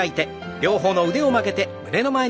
両方の腕を曲げて胸の前に。